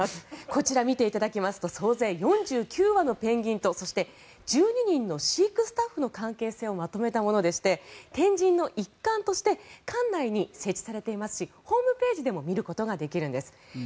こちらを見ていただきますと総勢４９羽のペンギンと１２人の飼育スタッフの関係性をまとめたものでして展示の一環として館内に設置されていますしホームページでも見ることができるんです。